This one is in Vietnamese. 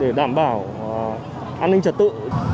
để đảm bảo an ninh trật tự